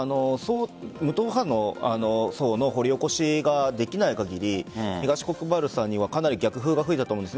無党派の層の掘り起こしができない限り東国原さんにはかなり逆風が吹いたと思うんです。